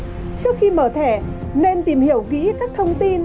trước khi mở thẻ nên tìm hiểu kỹ các thông tin